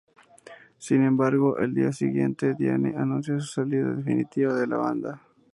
Sin embargo, al día siguiente Dianne anunció su salida definitiva de la banda.